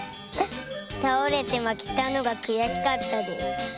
たおれてまけたのがくやしかったです。